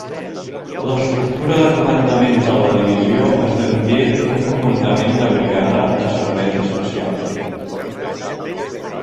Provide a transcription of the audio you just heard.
L'estructura de comandament de la divisió esdevingué un comandament de Brigada de Serveis Especials.